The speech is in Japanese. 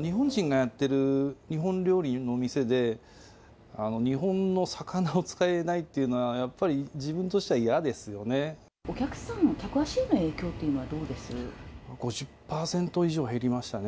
日本人がやってる日本料理の店で、日本の魚を使えないっていうのは、やっぱり自分としては嫌お客さん、客足への影響とい５０％以上減りましたね。